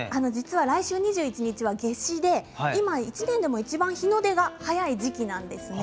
来週２１日は夏至で１年でいちばん日の出が早い時期なんです。